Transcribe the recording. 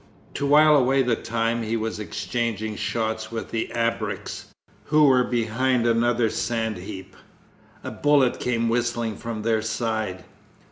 To while away the time he was exchanging shots with the ABREKS, who were behind another sand heap. A bullet came whistling from their side.